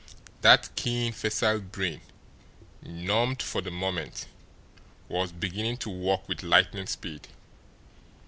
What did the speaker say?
That keen, facile brain, numbed for the moment, was beginning to work with lightning speed.